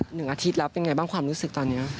หนึ่งอาทิตย์แล้วเป็นไงบ้างความรู้สึกตอนนี้